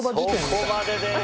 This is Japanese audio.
そこまでです。